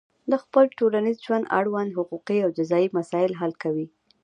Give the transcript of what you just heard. د خپل ټولنیز ژوند اړوند حقوقي او جزایي مسایل حل کوي.